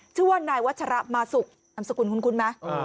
ชื่อว่านายวัชระมาสุกทำสกุลคุ้นคุ้นมั้ยอ่า